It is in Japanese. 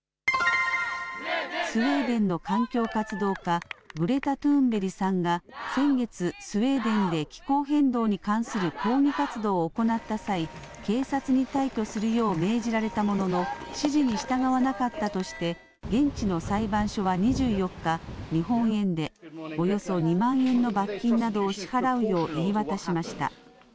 スウェーデンの環境活動家、グレタ・トゥーンベリさんが先月、スウェーデンで気候変動に関する抗議活動を行った際、警察に退去するよう命じられたものの、指示に従わなかったとして、現地の裁判所は２４日、日本円でおよそ２万円の罰金などを支払うよう言い渡しました。